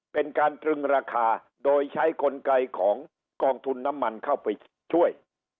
เป็นการตรึงราคาโดยใช้กลไกของกองทุนน้ำมันเข้าไปช่วย